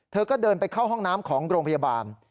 เธอก็เดินไปเข้าห้องน้ำของโรงพยาบาล